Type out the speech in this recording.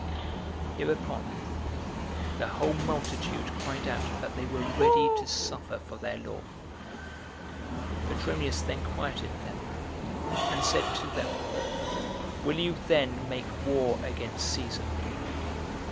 Hereupon the whole multitude cried out that they were ready to suffer for their law. Petronius then quieted them, and said to them, "Will you then make war against Caesar?"